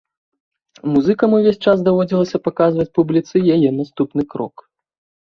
Музыкам увесь час даводзілася падказваць публіцы яе наступны крок.